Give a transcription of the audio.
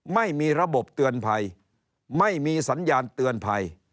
ไม่มีระบบเตือนภัยไม่มีสัญญาณเตือนภัย